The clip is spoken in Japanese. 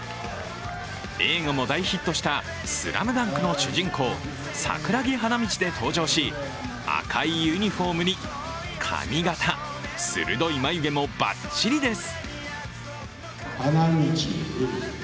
映画も大ヒットした「ＳＬＡＭＤＵＮＫ」の主人公、桜木花道で登場し赤いユニフォームに髪型鋭い眉毛もバッチリです。